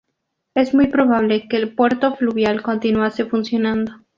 Es muy probable que el puerto fluvial continuase funcionando.